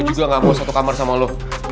gue juga gak mau satu kamar sama lo